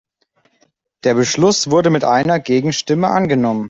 Der Beschluss wurde mit einer Gegenstimme angenommen.